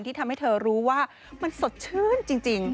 ที่ทำให้เธอรู้ว่ามันสดชื่นจริง